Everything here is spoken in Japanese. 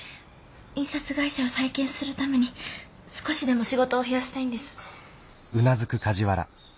印刷会社を再建するために少しでも仕事を増やしたいんです。